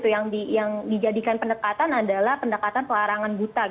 yang dijadikan pendekatan adalah pendekatan pelarangan buta